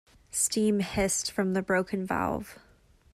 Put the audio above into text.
Steam hissed from the broken valve.